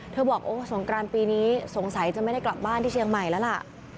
บอกโอ้สงกรานปีนี้สงสัยจะไม่ได้กลับบ้านที่เชียงใหม่แล้วล่ะ